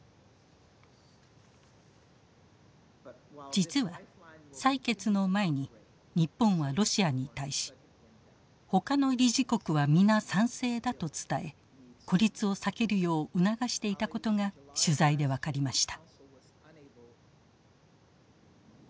実は採決の前に日本はロシアに対し「他の理事国はみな賛成だ」と伝え孤立を避けるよう促していたことが取材で分かりました。